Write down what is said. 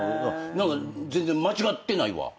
全然間違ってないわ。